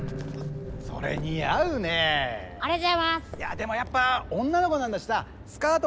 でもやっぱ女の子なんだしさスカート